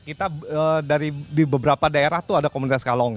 kita dari beberapa daerah itu ada komunitas kalong